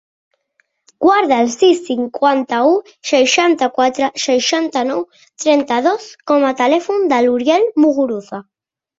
Guarda el sis, cinquanta-u, seixanta-quatre, seixanta-nou, trenta-dos com a telèfon de l'Uriel Muguruza.